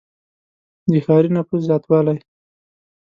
• د ښاري نفوس زیاتوالی.